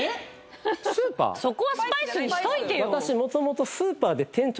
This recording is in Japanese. そこはスパイスにしといてよ